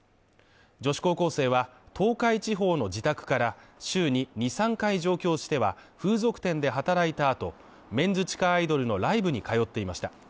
女子高校生は、東海地方の自宅から週に２３回上京しては風俗店で働いた後、メンズ地下アイドルのライブに通っていました。